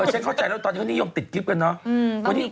เออฉันเข้าใจแล้วตอนนี้ยอมติดกิ๊บกันเนอะ